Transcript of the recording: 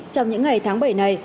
trong những ngày tháng bảy này